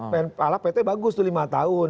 pnpt bagus tuh lima tahun